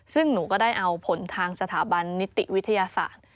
ซึ่งหนูก็ได้เอาผลทางสถาบันนิติวิทยาศาสตร์